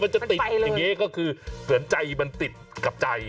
จะติดอย่างนี้ก็คือเหมือนใจมันติดกับใจ